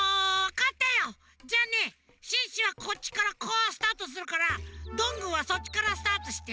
じゃあねシュッシュはこっちからこうスタートするからどんぐーはそっちからスタートして。